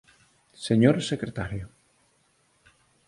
Señor secretario.